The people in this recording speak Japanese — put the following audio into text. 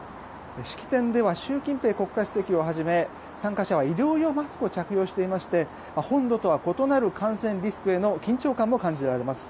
式典では習近平国家主席をはじめ参加者は医療用マスクを着用していまして本土とは異なる感染リスクへの緊張感も感じられます。